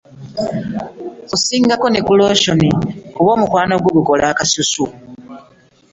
Osingako ne ku lotion kuba omukwano gwo gukola akasusu.